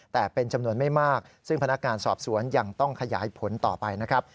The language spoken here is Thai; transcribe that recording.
แต่เป็นจำนวนไม่มากซึ่งพนักงานสอบสวนยังต้องขยายผลต่อไปนะครับ